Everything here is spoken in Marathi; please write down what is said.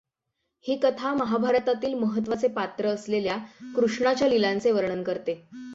ही कथा महाभारतातील महत्त्वाचे पात्र असलेल्या कृष्णाच्या लीलांचे वर्णन करते.